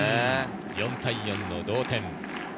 ４対４の同点。